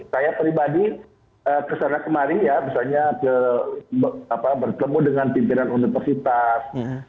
saya pribadi kesana kemari ya misalnya bertemu dengan pimpinan universitas